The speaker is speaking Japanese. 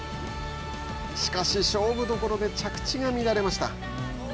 しかし、勝負どころで着地が乱れました。